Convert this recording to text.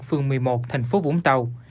phường một mươi một thành phố vũng tàu